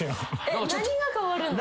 何が変わるの？